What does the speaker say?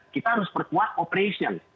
kita harus perkuat operation